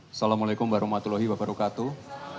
assalamu'alaikum warahmatullahi wabarakatuh